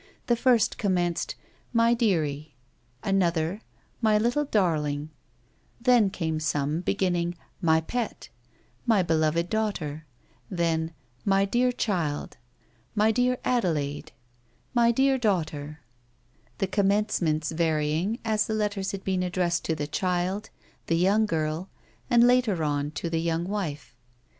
The first commenced " My dearie ;" another, " My little darling ;" then came some beginning, " My pet " —"My beloved daughter," then "My dear child"— "My dear Adelaide "—" My dear daughter," the commencements varying as the letters had been addressed to the child, the young girl, and, later on, to the young wife.